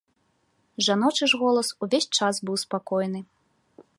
Жаночы ж голас увесь час быў спакойны.